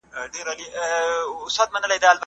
ولي زیارکښ کس د پوه سړي په پرتله ښه ځلېږي؟